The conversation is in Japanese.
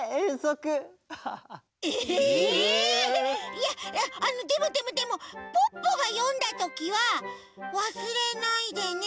いやいやでもでもでもポッポがよんだときは「わすれないでね。